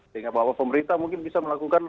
sehingga bahwa pemerintah mungkin bisa melakukan